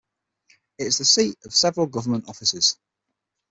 It is the seat of several government offices.